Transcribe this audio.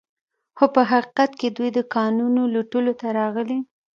خو په حقیقت کې دوی د کانونو لوټولو ته راغلي